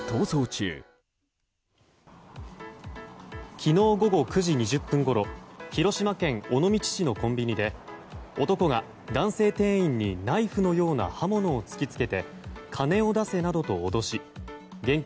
昨日午後９時２０分ごろ広島県尾道市のコンビニで男が男性店員にナイフのような刃物を突き付けて金を出せなどと脅し現金